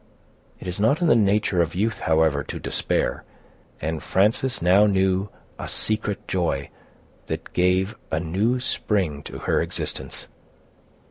It is not in the nature of youth, however, to despair; and Frances now knew a secret joy that gave a new spring to her existence.